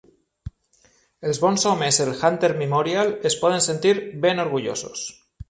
Els bons homes del Hunter Memorial es poden sentir ben orgullosos.